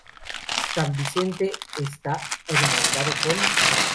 San Vicente está hermanado con